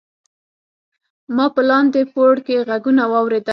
ما په لاندې پوړ کې غږونه واوریدل.